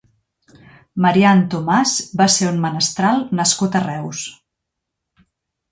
Marian Thomàs va ser un menestral nascut a Reus.